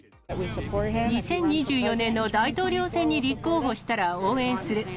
２０２４年の大統領選に立候補したら応援する。